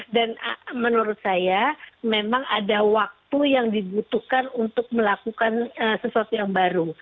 dan menurut saya memang ada waktu yang dibutuhkan untuk melakukan sesuatu yang baru